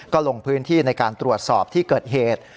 ก็ลงพื้นที่ในการตรวจสอบที่เกิดเหตุ